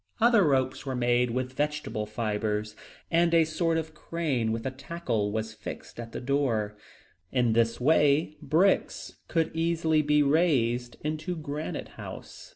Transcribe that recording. Other ropes were made with vegetable fibers, and a sort of crane with a tackle was fixed at the door. In this way bricks could easily be raised into Granite House.